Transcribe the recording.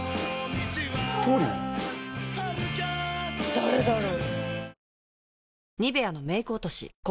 誰だろう？